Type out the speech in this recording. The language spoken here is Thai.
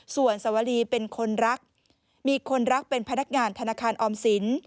ส่วนสวรีเป็นคนรักมีคนรักเป็นพนักงานธนาคารออมสิน